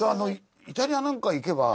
イタリアなんかへ行けば。